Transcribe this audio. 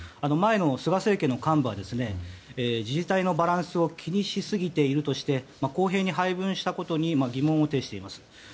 前の菅政権の幹部は自治体のバランスを気にしすぎているとして公平に配分したことに疑問を呈しています。